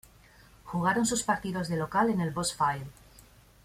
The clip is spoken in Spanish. Jugaron sus partidos de local en el Bosse Field.